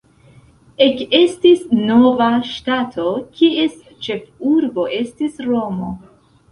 Ekestis nova ŝtato, kies ĉefurbo estis Romo.